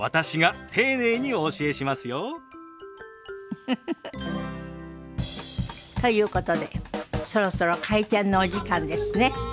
ウフフフ。ということでそろそろ開店のお時間ですね。